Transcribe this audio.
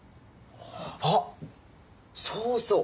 あっそうそう。